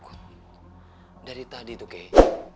kau yang semangat ngajakin aku kesini